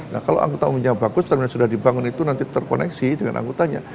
nah kalau angkutan umumnya bagus termina sudah dibangun itu nanti terkoneksi dengan angkutannya